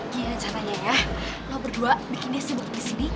gini rencananya ya lo berdua bikin dia sibuk disini